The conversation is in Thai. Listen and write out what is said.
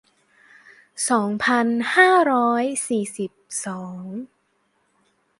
สองพันห้าร้อยสี่สิบสอง